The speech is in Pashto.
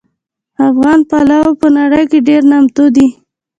افغان پلو په نړۍ کې ډېر نامتو دي